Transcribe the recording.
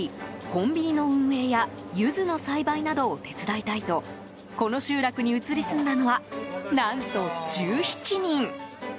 コンビニの運営やユズの栽培などを手伝いたいとこの集落に移り住んだのは何と、１７人。